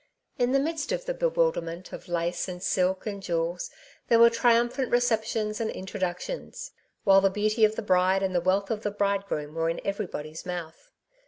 In the midst of the bewilderment of lace and silk and jewels, there were triumphant receptions and intro ductions ; while the beauty of the bride and the wealth of the bridegroom were in everybody's mouth.